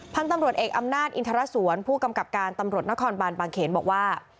พันธุ์ตำรวจเอกอำนาจอินทรสวนผู้กำกับการตำรวจนครบานบางเขนบอกว่า